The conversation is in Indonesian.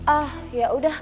oh ya udah